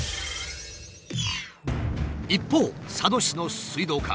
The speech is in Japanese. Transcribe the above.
一方佐渡市の水道課。